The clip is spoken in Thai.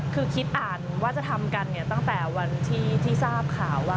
คือคิดอ่านว่าจะทำกันเนี่ยตั้งแต่วันที่ทราบข่าวว่า